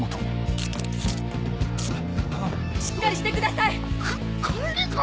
しっかりしてください！か管理官！